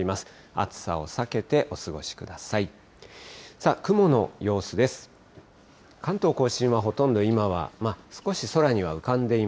暑さを避けてお過ごしください。